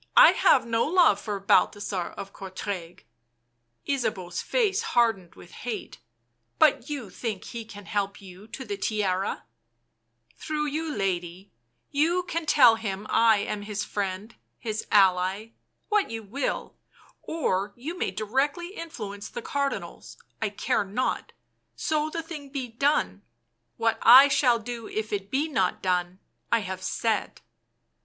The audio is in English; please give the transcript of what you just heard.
I have no love for Balthasar of Courtrai." Ysabeau's face hardened with hate. " But you think he can help you to the Tiara "" Through you, lady— you can tell him I am his friend, his ally, what you will— or you may directly influence the Cardinals, I care not, so the thing be done ; what I shall do if it be not done, I have said."